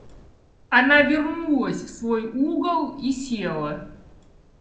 Она вернулась в свой угол и села.